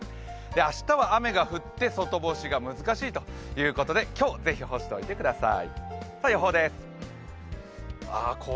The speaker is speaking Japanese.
明日は雨が降って外干しが難しいということで今日ぜひ干しておいてください。